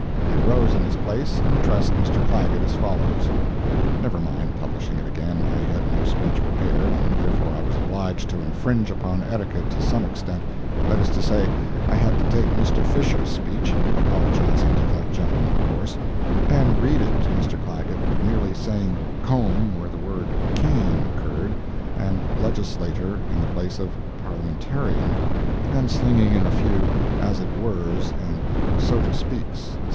He arose in his place and addressed Mr. Clagett as follows—[Never mind publishing it again. I had no speech prepared, and therefore I was obliged to infringe upon etiquette to some extent—that is to say, I had to take Mr. Fisher's speech (apologizing to that gentleman, of course) and read it to Mr. Clagett, merely saying "comb" where the word "cane" occurred, and "legislator" in the place of "parliamentarian," and slinging in a few "as it weres," and "so to speaks," etc.